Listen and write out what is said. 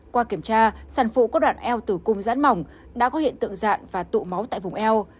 qua kiểm tra sản phụ có đoạn eo tử cung rãn mỏng đã có hiện tượng dạn và tụ máu tại vùng eo